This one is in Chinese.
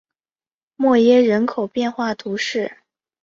默耶人口变化图示